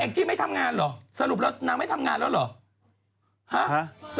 จี้ไม่ทำงานเหรอสรุปแล้วนางไม่ทำงานแล้วเหรอ